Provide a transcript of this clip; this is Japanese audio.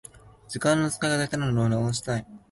時間の使い方が下手なのを直したい